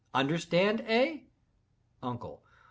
Understand, eh?" UNCLE.